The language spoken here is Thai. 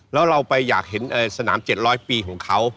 แล้วเราไปอยากเห็นสนาม๗๐๐ปีของเขา